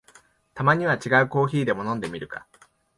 たまには違うコーヒーでも飲んでみるか